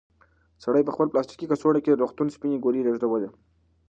سړي په خپل پلاستیکي کڅوړه کې د روغتون سپینې ګولۍ لېږدولې.